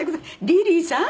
「リリーさん」？